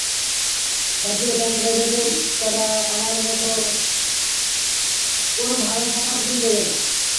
সবগুলো bank privatise করা আমার মতে কোনো ভালো সমাধান দেবে না।